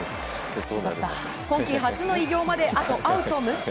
今季初の偉業まであとアウト６つ。